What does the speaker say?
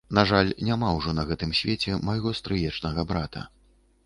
На жаль, няма ўжо на гэтым свеце майго стрыечнага брата.